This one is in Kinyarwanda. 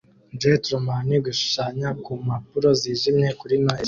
GEntleman gushushanya ku mpapuro zijimye kuri Noheri